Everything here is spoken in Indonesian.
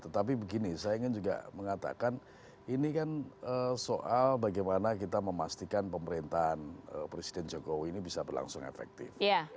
tetapi begini saya ingin juga mengatakan ini kan soal bagaimana kita memastikan pemerintahan presiden jokowi ini bisa berlangsung efektif